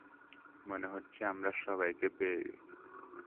মনে হচ্ছে আমরা সবাইকে পেয়ে গেছি।